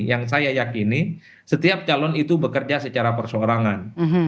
yang saya yakini setiap calon itu bekerja secara perseorangan